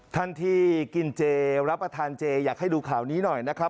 ท่านที่กินเจรับประทานเจอยากให้ดูข่าวนี้หน่อยนะครับ